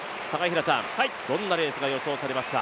どんなレースが予想されますか？